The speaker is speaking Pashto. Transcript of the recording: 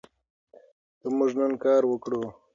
که موږ نن کار وکړو.